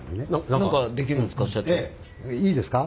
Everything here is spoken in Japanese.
何かできるんですか？